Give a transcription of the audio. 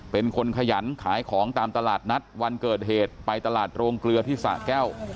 เป็นคนขยันขายของตามตลาดนัดวันเกิดเหตุไปตลาดโรงเกลือที่สะแก้ว